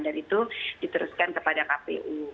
dan itu diteruskan kepada kpu